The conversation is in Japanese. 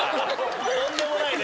とんでもないね。